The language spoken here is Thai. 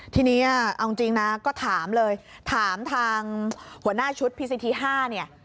ทีนี้เอาจริงนะก็ถามเลยถามทางหัวหน้าชุดพีซีที๕เนี่ย